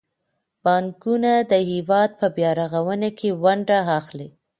بانکونه د هیواد په بیارغونه کې ونډه اخلي.